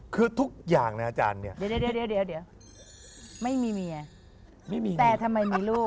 คือทุกอย่างนะอาจารย์เนี่ยเดี๋ยวไม่มีเมียไม่มีแต่ทำไมมีลูก